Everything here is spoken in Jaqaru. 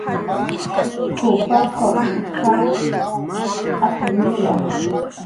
"K""uw paquq janq' t'aprniwa"